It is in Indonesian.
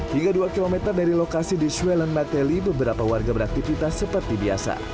hingga dua km dari lokasi di swellenmatteli beberapa warga beraktifitas seperti biasa